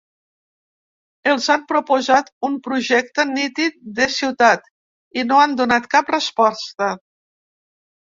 Els hem proposat un projecte nítid de ciutat, i no han donat cap resposta.